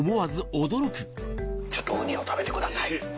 ちょっとウニを食べてください。